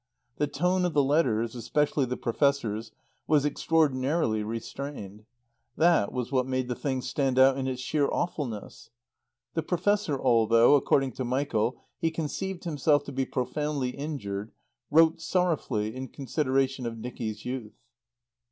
The tone of the letters, especially the Professor's, was extraordinarily restrained. That was what made the thing stand out in its sheer awfulness. The Professor, although, according to Michael, he conceived himself to be profoundly injured, wrote sorrowfully, in consideration of Nicky's youth.